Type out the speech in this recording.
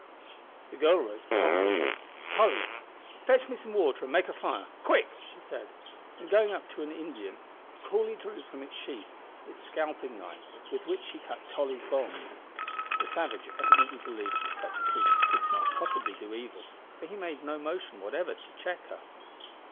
The girl rose promptly. "Tolly, fetch me some water and make a fire. Quick!" she said, and going up to an Indian, coolly drew from its sheath his scalping knife, with which she cut Tolly's bonds. The savage evidently believed that such a creature could not possibly do evil, for he made no motion whatever to check her.